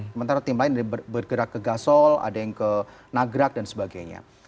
sementara tim lain bergerak ke gasol ada yang ke nagrak dan sebagainya